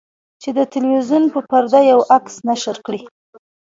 چې د تلویزیون په پرده یو عکس نشر کړي.